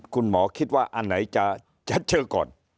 คุณหมอคิดว่าอันไหนจะชัดเชิงก่อน